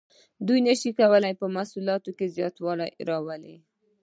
دوی نشو کولی په محصولاتو کې زیاتوالی راولي.